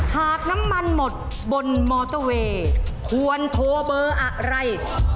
หากน้ำมันหมดบนมอเตอร์เวย์ควรโทรเบอร์อะไร